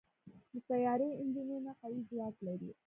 د طیارې انجنونه قوي ځواک لري.